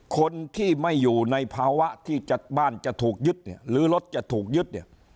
คนที่ไม่อยู่ในภาวะที่บ้านจะถูกยึดเนี่ยหรือรถจะถูกยึดเนี่ย